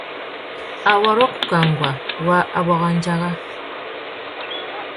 Awôrrô kúkúangâ wa awôrandzara.